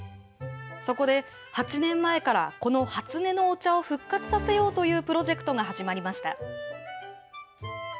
そこで、８年前からこの初音のお茶を復活させようというプロジェクトが始まりました。